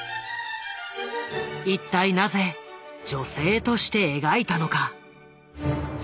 一体なぜ女性として描いたのか。